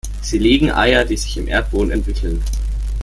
Sie legen Eier, die sich im Erdboden entwickeln.